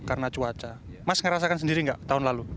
karena cuaca mas ngerasakan sendiri nggak tahun lalu